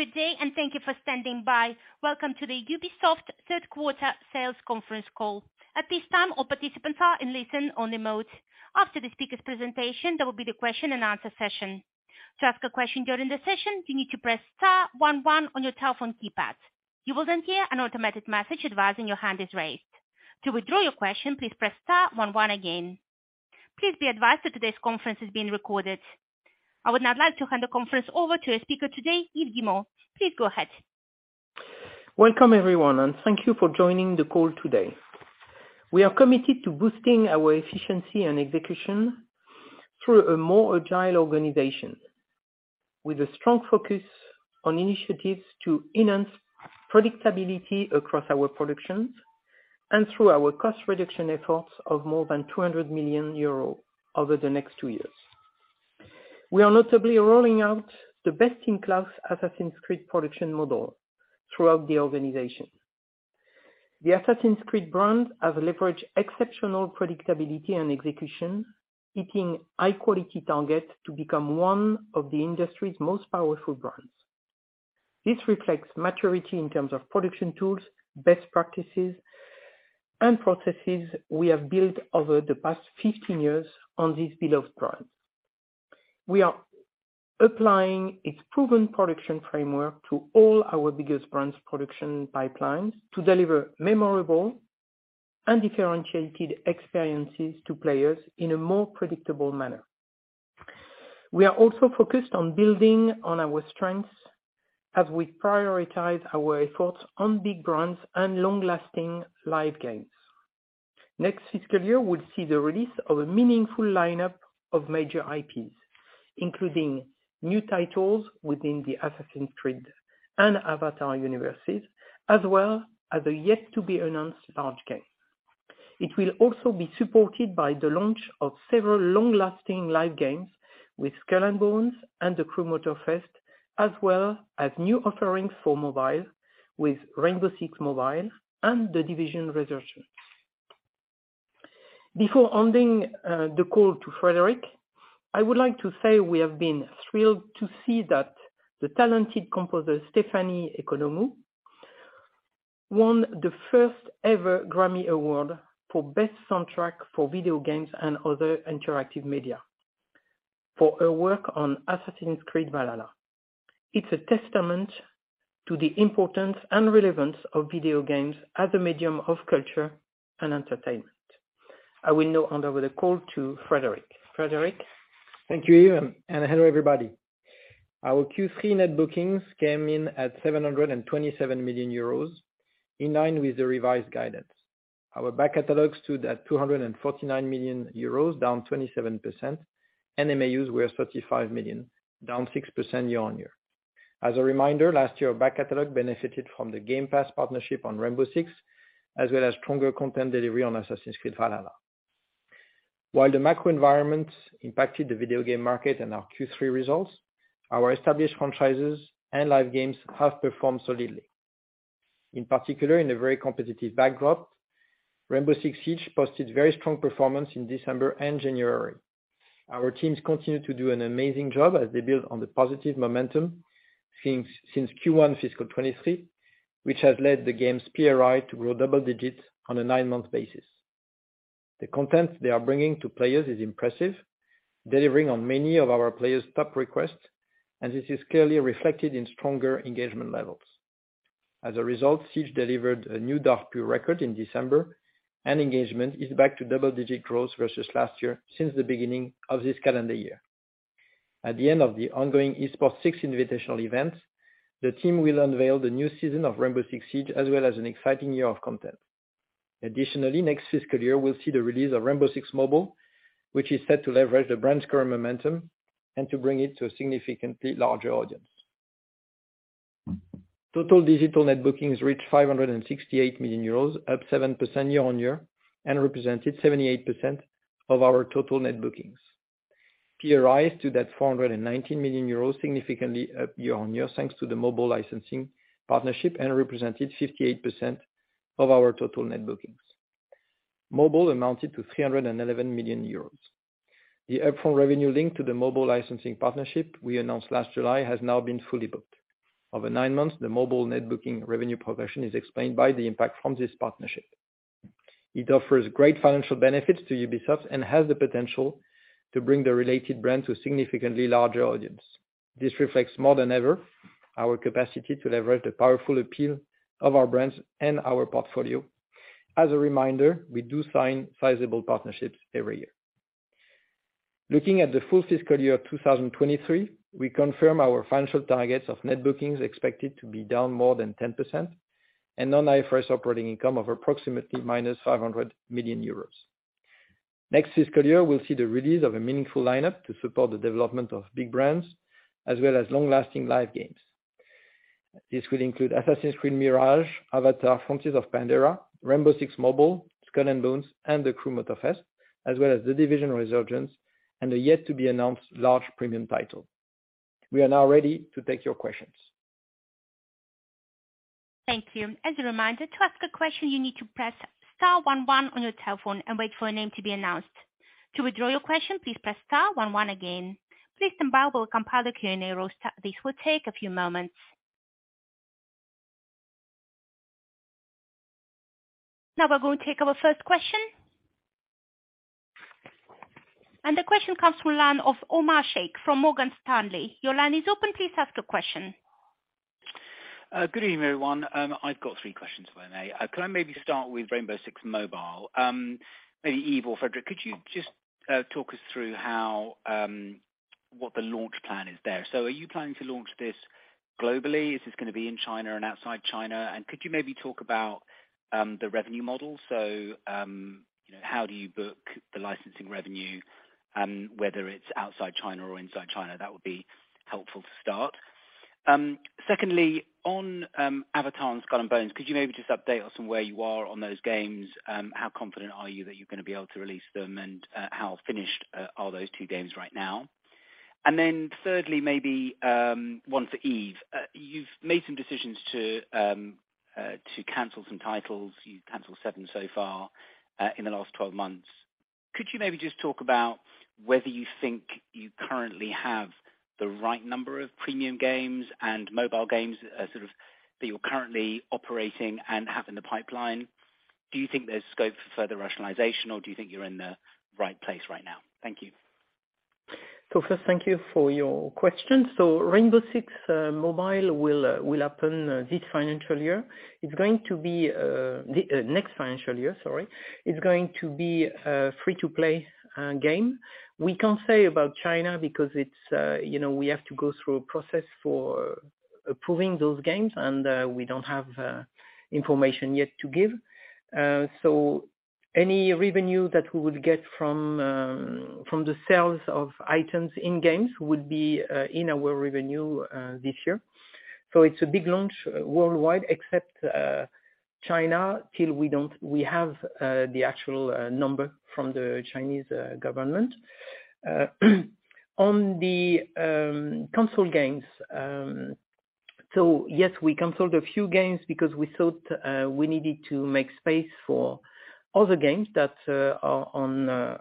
Good day and thank you for standing by. Welcome to the Ubisoft 3rd quarter sales conference call. At this time, all participants are in listen-only mode. After the speaker's presentation, there will be the question and answer session. To ask a question during the session, you need to press star 1 1 on your telephone keypad. You will then hear an automated message advising your hand is raised. To withdraw your question, please press star 1 1 again. Please be advised that today's conference is being recorded. I would now like to hand the conference over to our speaker today, Yves Guillemot. Please go ahead. Welcome everyone, thank you for joining the call today. We are committed to boosting our efficiency and execution through a more agile organization with a strong focus on initiatives to enhance predictability across our productions through our cost reduction efforts of more than 200 million euros over the next two years. We are notably rolling out the best-in-class Assassin's Creed production model throughout the organization. The Assassin's Creed brand has leveraged exceptional predictability and execution, hitting high-quality targets to become one of the industry's most powerful brands. This reflects maturity in terms of production tools, best practices, and processes we have built over the past 15 years on this beloved brand. We are applying its proven production framework to all our biggest brands production pipelines to deliver memorable and differentiated experiences to players in a more predictable manner. We are also focused on building on our strengths as we prioritize our efforts on big brands and long-lasting live games. Next fiscal year will see the release of a meaningful lineup of major IPs, including new titles within the Assassin's Creed and Avatar universes, as well as a yet to be announced large game. It will also be supported by the launch of several long-lasting live games with Skull and Bones and The Crew Motorfest, as well as new offerings for mobile with Rainbow Six Mobile and The Division Resurgence. Before handing the call to Frédérick Duguet, I would like to say we have been thrilled to see that the talented composer Stephanie Economou won the first ever Grammy Award for Best soundtrack for Video Games and Other Interactive Media for her work on Assassin's Creed Valhalla. It's a testament to the importance and relevance of video games as a medium of culture and entertainment. I will now hand over the call to Frédérick Duguet. Frédérick Duguet? Thank you, Yves. Hello, everybody. Our Q3 Net Bookings came in at 727 million euros, in line with the revised guidance. Our back catalog stood at 249 million euros, down 27%, and MAUs were 35 million, down 6% year-on-year. As a reminder, last year our back catalog benefited from the Game Pass partnership on Rainbow Six, as well as stronger content delivery on Assassin's Creed Valhalla. While the macro environment impacted the video game market and our Q3 results, our established franchises and live games have performed solidly. In particular, in a very competitive backdrop, Rainbow Six Siege posted very strong performance in December and January. Our teams continue to do an amazing job as they build on the positive momentum since Q1 fiscal 2023, which has led the game's PRI to grow double digits on a nine-month basis. The content they are bringing to players is impressive, delivering on many of our players' top requests, and this is clearly reflected in stronger engagement levels. As a result, Siege delivered a new DAU/PU record in December, and engagement is back to double-digit growth versus last year since the beginning of this calendar year. At the end of the ongoing esports Six Invitational event, the team will unveil the new season of Rainbow Six Siege, as well as an exciting year of content. Additionally, next fiscal year we'll see the release of Rainbow Six Mobile, which is set to leverage the brand's current momentum and to bring it to a significantly larger audience. Total digital net bookings reached 568 million euros, up 7% year-on-year, and represented 78% of our total net bookings. PRI is to that 419 million euros, significantly up year-on-year, thanks to the mobile licensing partnership and represented 58% of our total net bookings. Mobile amounted to 311 million euros. The upfront revenue link to the mobile licensing partnership we announced last July has now been fully booked. Over 9 months, the mobile net booking revenue progression is explained by the impact from this partnership. It offers great financial benefits to Ubisoft and has the potential to bring the related brand to a significantly larger audience. This reflects more than ever our capacity to leverage the powerful appeal of our brands and our portfolio. As a reminder, we do sign sizable partnerships every year. Looking at the full fiscal year 2023, we confirm our financial targets of Net Bookings expected to be down more than 10% and non-IFRS operating income of approximately minus 500 million euros. Next fiscal year, we'll see the release of a meaningful lineup to support the development of big brands as well as long-lasting live games. This will include Assassin's Creed Mirage, Avatar: Frontiers of Pandora, Rainbow Six Mobile, Skull and Bones, and The Crew Motorfest, as well as The Division Resurgence and a yet to be announced large premium title. We are now ready to take your questions. Thank you. As a reminder, to ask a question, you need to press star one one on your telephone and wait for a name to be announced. To withdraw your question, please press star one one again. Please stand by while we compile the Q&A roster. This will take a few moments. Now we're going to take our first question. The question comes from line of Omar Sheikh from Morgan Stanley. Your line is open. Please ask your question. Good evening, everyone. I've got three questions if I may. Can I maybe start with Rainbow Six Mobile? Maybe Yves or Frédérick, could you just talk us through how what the launch plan is there? Are you planning to launch this globally? Is this going to be in China and outside China? Could you maybe talk about the revenue model? You know, how do you book the licensing revenue, whether it's outside China or inside China? That would be helpful to start. Secondly, on Avatar and Skull and Bones, could you maybe just update us on where you are on those games? How confident are you that you're going to be able to release them, and how finished are those two games right now? Then thirdly, maybe one for Yves. You've made some decisions to cancel some titles. You've canceled seven so far in the last 12 months. Could you maybe just talk about whether you think you currently have the right number of premium games and mobile games as sort of that you're currently operating and have in the pipeline? Do you think there's scope for further rationalization, or do you think you're in the right place right now? Thank you. First, thank you for your question. Rainbow Six Mobile will happen this financial year. It's going to be the next financial year, sorry. It's going to be a free-to-play game. We can't say about China because it's, you know, we have to go through a process for approving those games, and we don't have information yet to give. Any revenue that we would get from the sales of items in games would be in our revenue this year. It's a big launch worldwide except China till we have the actual number from the Chinese government. On the console games. Yes, we canceled a few games because we thought we needed to make space for other games that are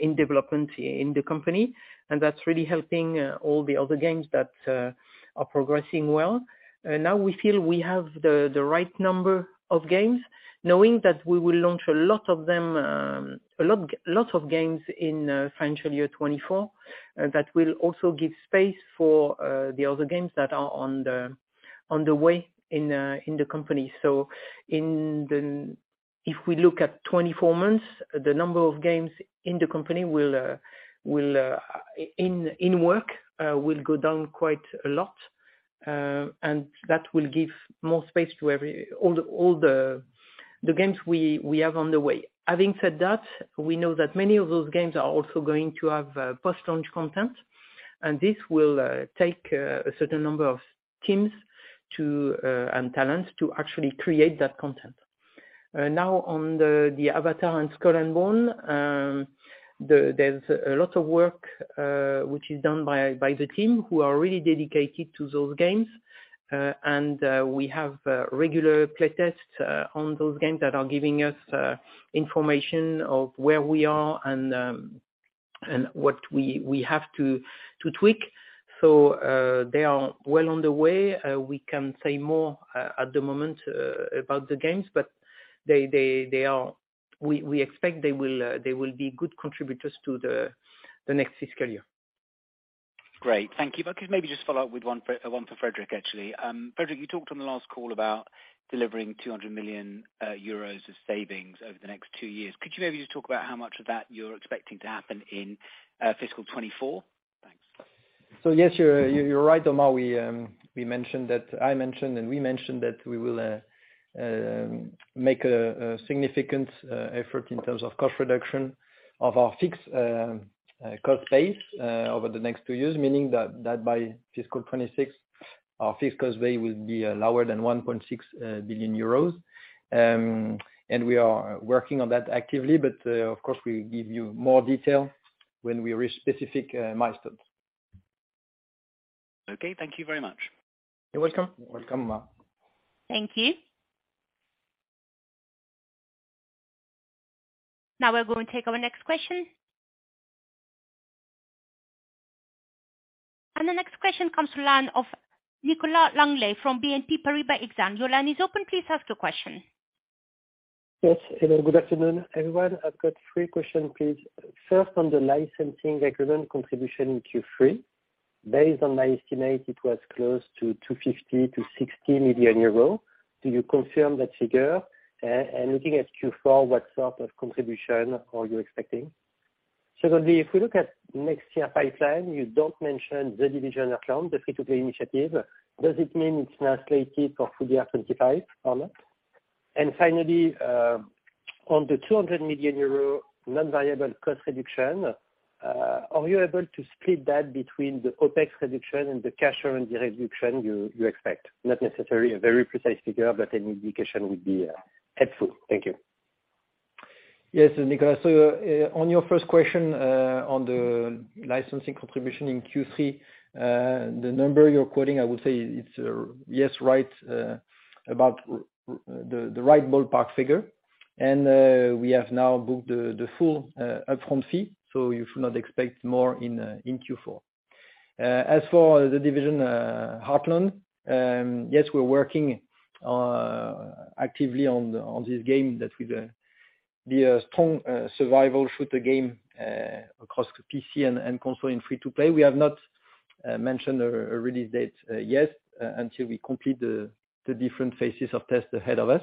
in development in the company, and that's really helping all the other games that are progressing well. Now we feel we have the right number of games, knowing that we will launch a lot of them, a lot of games in financial year 2024. That will also give space for the other games that are on the way in the company. If we look at 24 months, the number of games in the company will go down quite a lot. That will give more space to all the games we have on the way. Having said that, we know that many of those games are also going to have post-launch content, this will take a certain number of teams to and talent to actually create that content. Now on the Avatar and Skull and Bones, there's a lot of work which is done by the team who are really dedicated to those games. We have regular play tests on those games that are giving us information of where we are and what we have to tweak. They are well on the way. We can't say more at the moment about the games, they are... We expect they will be good contributors to the next fiscal year. Great. Thank you. If I could maybe just follow up with one for Frédérick Duguet actually. Frédérick Duguet, you talked on the last call about delivering 200 million euros of savings over the next two years. Could you maybe just talk about how much of that you're expecting to happen in fiscal 2024? Thanks. Yes, you're right, Omar. I mentioned, and we mentioned that we will make a significant effort in terms of cost reduction of our fixed cost base over the next two years. Meaning that by fiscal 2026, our fixed cost base will be lower than 1.6 billion euros. We are working on that actively, of course, we give you more detail when we reach specific milestones. Okay. Thank you very much. You're welcome. You're welcome, Omar. Thank you. Now we're going to take our next question. The next question comes to line of Nicolas Longuet from BNP Paribas Exane. Your line is open. Please ask your question. Yes. Hello. Good afternoon, everyone. I've got three questions, please. First, on the licensing revenue contribution in Q3. Based on my estimate, it was close to 250 million euros- EUR 260 million. Do you confirm that figure? Looking at Q4, what sort of contribution are you expecting? Secondly, if we look at next year pipeline, you don't mention The Division Heartland, the free-to-play initiative. Does it mean it's now slated for full year 2025 or not? Finally, on the 200 million euro non-variable cost reduction, are you able to split that between the OpEx reduction and the cash on the reduction you expect? Not necessarily a very precise figure, but any indication would be helpful. Thank you. Yes, Nicholas. On your first question, on the licensing contribution in Q3, the number you're quoting, I would say it's, yes, right, about the right ballpark figure. We have now booked the full upfront fee, so you should not expect more in Q4. As for The Division Heartland, yes, we're working actively on this game that with the strong survival shooter game across PC and console and free-to-play. We have not mentioned a release date yet until we complete the different phases of test ahead of us.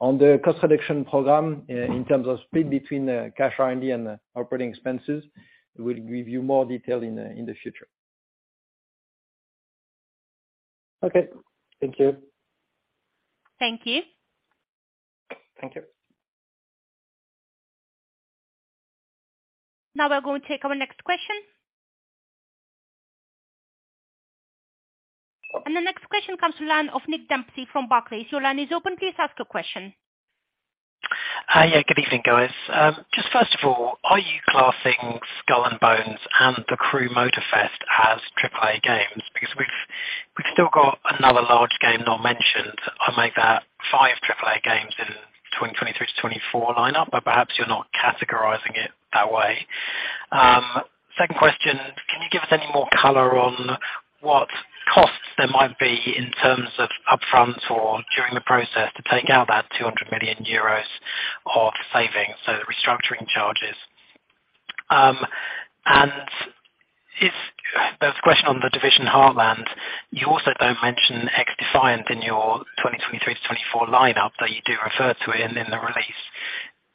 On the cost reduction program, in terms of split between the cash R&D and the operating expenses, we'll give you more detail in the future. Okay. Thank you. Thank you. Thank you. Now we're going to take our next question. The next question comes to line of Nick Dempsey from Barclays. Your line is open. Please ask your question. Good evening, guys. First of all, are you classing Skull and Bones and The Crew Motorfest as Triple-A games? Because we've still got another large game not mentioned. I make that five Triple-A games in 2023-2024 lineup, but perhaps you're not categorizing it that way. Second question, can you give us any more color on what costs there might be in terms of upfront or during the process to take out that 200 million euros of savings, so the restructuring charges? There was a question on The Division Heartland. You also don't mention XDefiant in your 2023-2024 lineup, though you do refer to it in the release.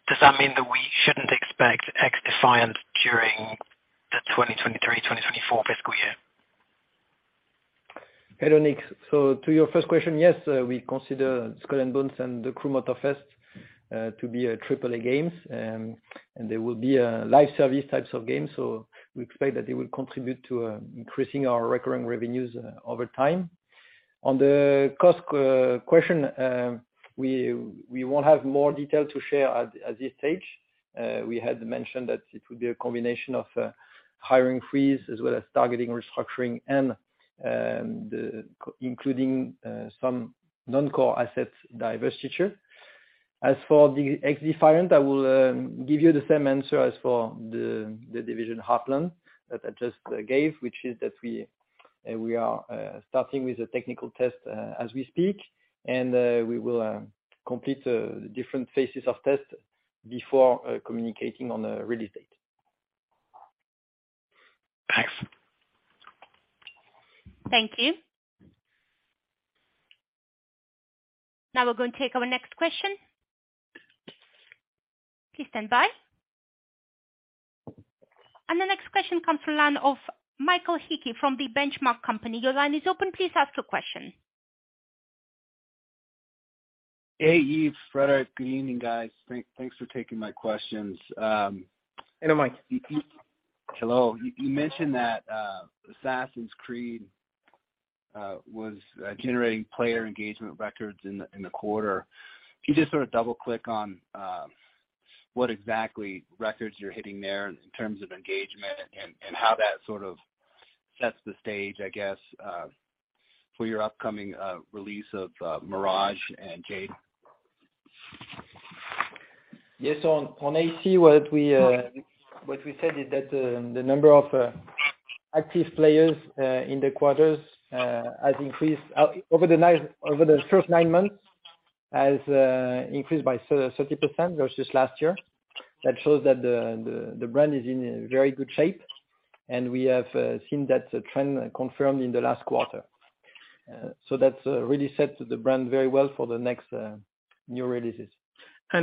Does that mean that we shouldn't expect XDefiant during the 2023-2024 fiscal year? Hello, Nick. To your first question, yes, we consider Skull and Bones and The Crew Motorfest to be Triple-A games, and they will be live service types of games, so we expect that they will contribute to increasing our recurring revenues over time. On the cost question, we won't have more detail to share at this stage. We had mentioned that it would be a combination of hiring freeze as well as targeting restructuring and including some non-core assets divestiture. As for the XDefiant, I will give you the same answer as for the Division Heartland that I just gave, which is that we are starting with the technical test as we speak, and we will complete the different phases of test before communicating on a release date. Thanks. Thank you. Now we're going to take our next question. Please stand by. The next question comes to line of Michael Hickey from The Benchmark Company. Your line is open. Please ask your question. Hey, Yves, Frédérick Duguet. Good evening, guys. Thanks for taking my questions. Hello, Mike. Hello. You mentioned that Assassin's Creed was generating player engagement records in the quarter. Can you just sort of double-click on what exactly records you're hitting there in terms of engagement and how that sort of sets the stage, I guess, for your upcoming release of Mirage and Jade? Yes. On, on AC, what we said is that the number of active players in the quarters has increased over the first nine months has increased by 30% versus last year. That shows that the brand is in very good shape, and we have seen that trend confirmed in the last quarter. That really sets the brand very well for the next new releases.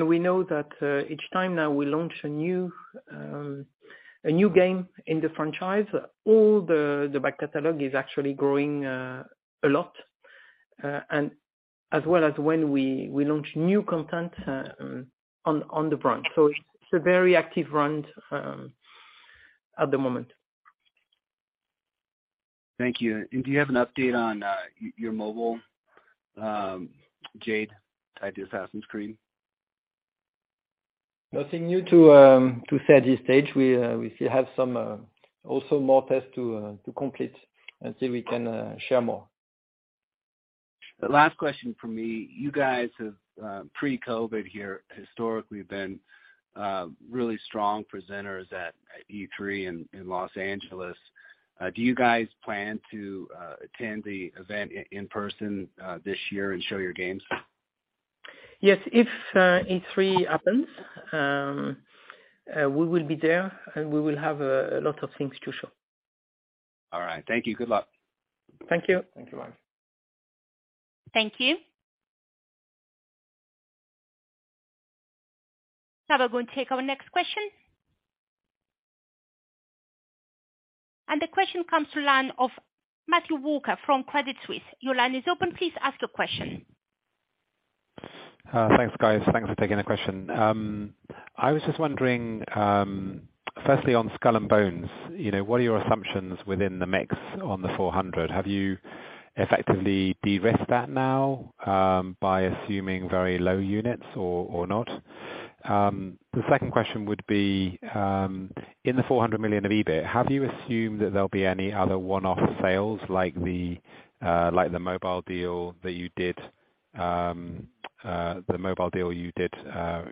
We know that, each time now we launch a new game in the franchise, all the back catalog is actually growing a lot. As well as when we launch new content, on the brand. It's a very active brand, at the moment. Thank you. Do you have an update on your mobile, Jade tied to Assassin's Creed? Nothing new to say at this stage. We still have some, also more tests to complete and see if we can share more. Last question from me. You guys have, pre-COVID here historically been, really strong presenters at E3 in Los Angeles. Do you guys plan to attend the event in person, this year and show your games? Yes. If, E3 happens, we will be there, and we will have a lot of things to show. All right. Thank you. Good luck. Thank you. Thank you, Mike. Thank you. Now we're going to take our next question. The question comes to line of Matthew Walker from Credit Suisse. Your line is open. Please ask your question. Thanks, guys. Thanks for taking the question. I was just wondering, Firstly, on Skull and Bones, you know, what are your assumptions within the mix on the 400 million? Have you effectively de-risked that now, by assuming very low units or not? The second question would be, in the 400 million of EBIT, have you assumed that there'll be any other one-off sales like the mobile deal that you did, the mobile deal you did,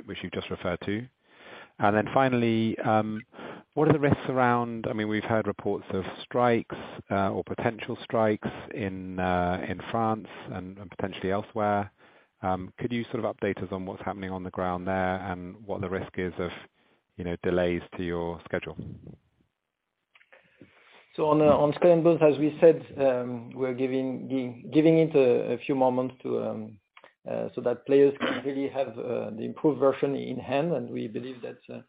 which you just referred to? Finally, what are the risks around... I mean, we've heard reports of strikes, or potential strikes in France and potentially elsewhere. Could you sort of update us on what's happening on the ground there and what the risk is of, you know, delays to your schedule? On Skull and Bones, as we said, we're giving it a few more months so that players can really have the improved version in hand. We believe that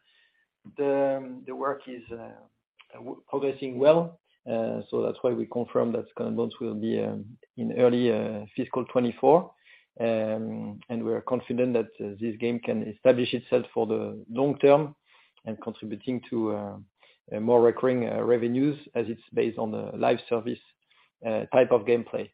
the work is progressing well. That's why we confirm that Skull and Bones will be in early fiscal 2024. We are confident that this game can establish itself for the long term and contributing to more recurring revenues as it's based on the live service type of gameplay.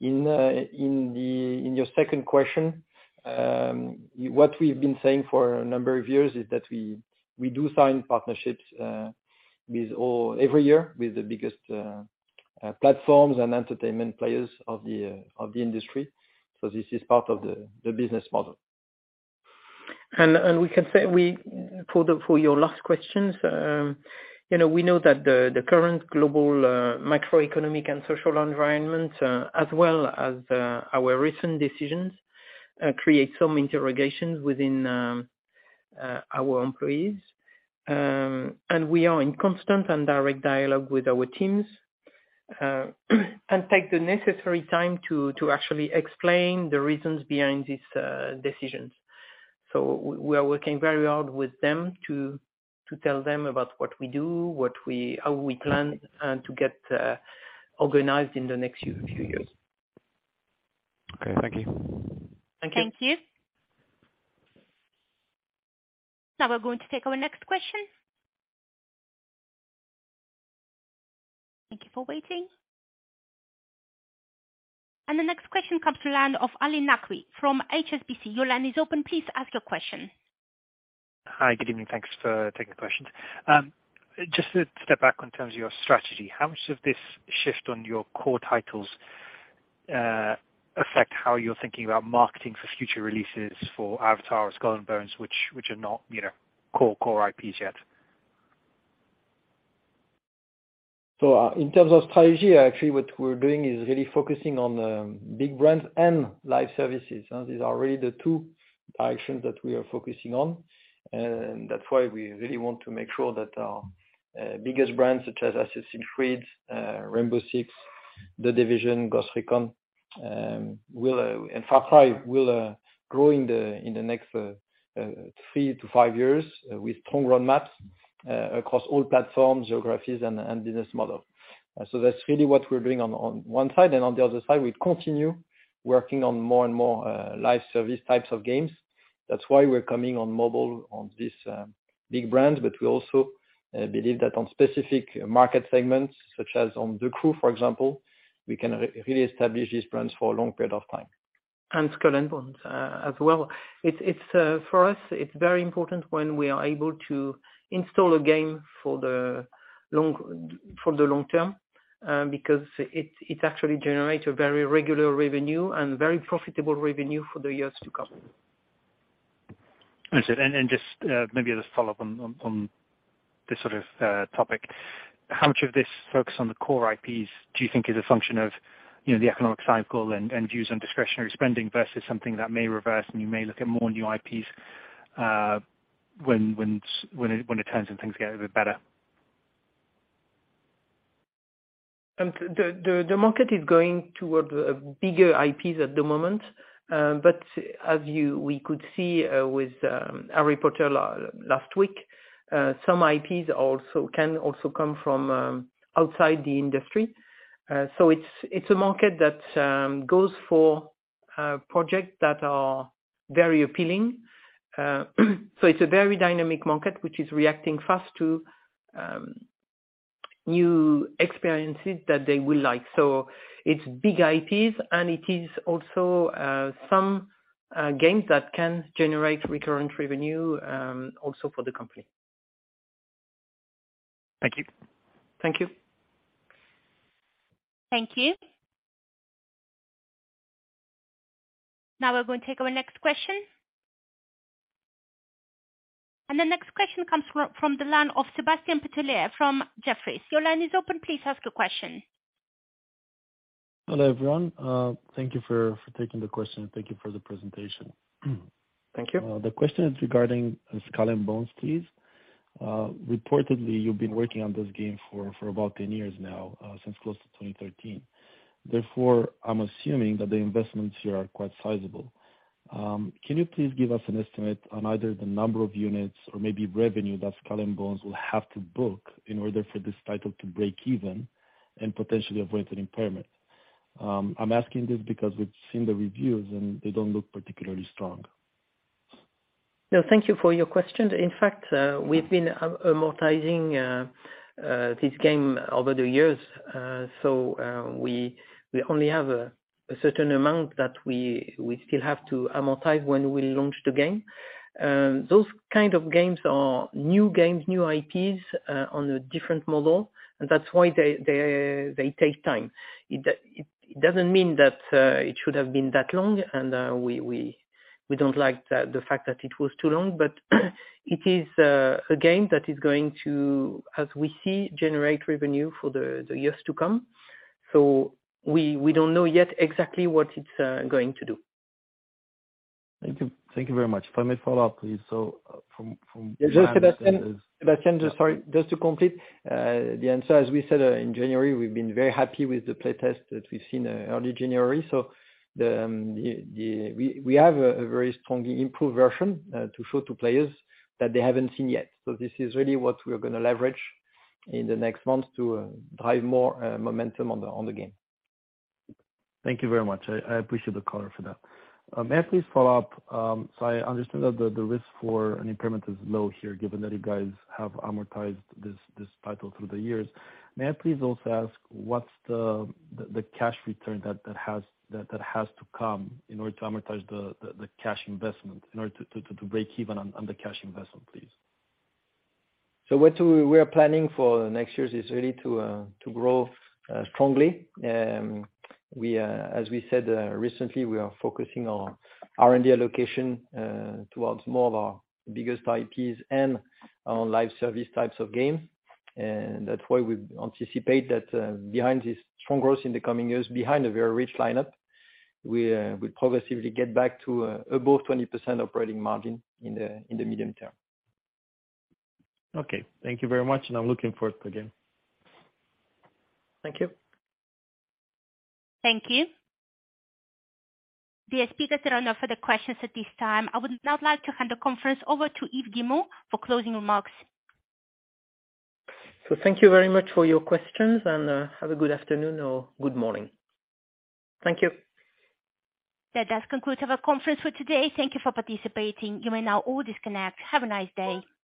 In your second question, what we've been saying for a number of years is that we do sign partnerships every year with the biggest platforms and entertainment players of the industry. This is part of the business model. We can say for your last questions, you know, we know that the current global macroeconomic and social environment, as well as our recent decisions, create some interrogations within our employees. We are in constant and direct dialogue with our teams and take the necessary time to actually explain the reasons behind these decisions. We are working very hard with them to tell them about what we do, how we plan and to get organized in the next few years. Okay. Thank you. Thank you. Thank you. Now we're going to take our next question. Thank you for waiting. The next question comes to line of Ali Naqvi from HSBC. Your line is open. Please ask your question. Hi. Good evening. Thanks for taking the questions. Just to step back in terms of your strategy, how much of this shift on your core titles affect how you're thinking about marketing for future releases for Avatar or Skull and Bones, which are not, you know, core IPs yet? In terms of strategy, actually what we're doing is really focusing on big brands and live services. These are really the two actions that we are focusing on. That's why we really want to make sure that our biggest brands, such as Assassin's Creed, Rainbow Six, The Division, Ghost Recon, and Far Cry will grow in the next three-five years with strong roadmaps across all platforms, geographies and business model. That's really what we're doing on one side. On the other side, we continue working on more and more live service types of games. That's why we're coming on mobile on this big brands. We also believe that on specific market segments, such as on The Crew, for example, we can really establish these brands for a long period of time. Skull and Bones, as well. It's for us, it's very important when we are able to install a game for the long term, because it actually generates a very regular revenue and very profitable revenue for the years to come. Understood. Just, maybe just follow up on this sort of, topic. How much of this focus on the core IPs do you think is a function of, you know, the economic cycle and views on discretionary spending versus something that may reverse and you may look at more new IPs, when it turns and things get a bit better? The market is going toward bigger IPs at the moment. As we could see, with Hogwarts Legacy last week, some IPs also can also come from outside the industry. It's a market that goes for projects that are very appealing. It's a very dynamic market which is reacting fast to new experiences that they will like. It's big IPs, and it is also some games that can generate recurrent revenue also for the company. Thank you. Thank you. Thank you. Now we're going to take our next question. The next question comes from the line of Sebastien Pette from Jefferies. Your line is open. Please ask your question. Hello, everyone. Thank you for taking the question. Thank you for the presentation. Thank you. The question is regarding Skull and Bones, please. Reportedly, you've been working on this game for about 10 years now, since close to 2013. Therefore, I'm assuming that the investments here are quite sizable. Can you please give us an estimate on either the number of units or maybe revenue that Skull and Bones will have to book in order for this title to break even and potentially avoid an impairment? I'm asking this because we've seen the reviews and they don't look particularly strong. No, thank you for your question. In fact, we've been amortizing this game over the years. We only have a certain amount that we still have to amortize when we launch the game. Those kind of games are new games, new IPs, on a different model, and that's why they take time. It doesn't mean that it should have been that long, and we don't like the fact that it was too long. It is a game that is going to, as we see, generate revenue for the years to come. We don't know yet exactly what it's going to do. Thank you. Thank you very much. If I may follow up, please. From. Yeah, Sebastian. Just sorry. Just to complete the answer. As we said in January, we've been very happy with the play test that we've seen early January. The... We have a very strongly improved version to show to players that they haven't seen yet. This is really what we are going to leverage in the next months to drive more momentum on the game. Thank you very much. I appreciate the color for that. May I please follow up? I understood that the risk for an impairment is low here, given that you guys have amortized this title through the years. May I please also ask what's the cash return that has to come in order to amortize the cash investment, in order to break even on the cash investment, please? What we are planning for next year is really to grow strongly. We as we said recently, we are focusing on R&D allocation towards more of our biggest IPs and our live service types of games. That's why we anticipate that behind this strong growth in the coming years, behind a very rich lineup, we progressively get back to above 20% operating margin in the medium term. Okay. Thank you very much. I'm looking forward to the game. Thank you. Thank you. The speakers are done for the questions at this time. I would now like to hand the conference over to Yves Guillemot for closing remarks. Thank you very much for your questions and have a good afternoon or good morning. Thank you. That does conclude our conference for today. Thank you for participating. You may now all disconnect. Have a nice day.